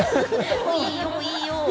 いいよいいよ！